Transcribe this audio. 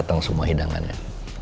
dateng semua hidangannya